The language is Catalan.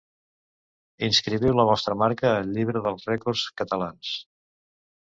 Inscriviu la vostra marca al llibre dels Rècords catalans.